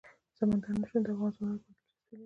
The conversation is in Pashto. سمندر نه شتون د افغان ځوانانو لپاره دلچسپي لري.